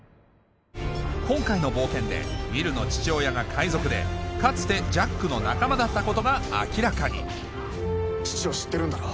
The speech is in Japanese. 今回の冒険でウィルの父親が海賊でかつてジャックの仲間だったことが明らかに父を知ってるんだろう？